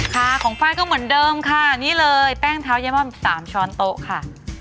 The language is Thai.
ค่ะของไฟล์ก็เหมือนเดิมค่ะนี่เลยแป้งเท้ายม่อม๓ช้อนโต๊ะค่ะ